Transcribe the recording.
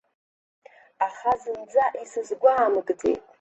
Аха зынӡа исызгәаамыгӡеит.